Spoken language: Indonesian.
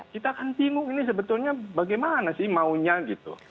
kita kan bingung ini sebetulnya bagaimana sih maunya gitu